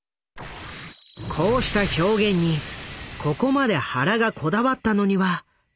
こうした表現にここまで原がこだわったのには訳があった。